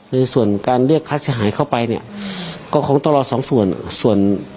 ในส่วนการเรียกค่าเสียหายเข้าไปเนี่ยก็คงต้องรอสองส่วนส่วน